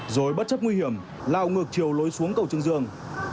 rồi bất chấp nguy hiểm lao ngược chiều lối xuống cầu trương dương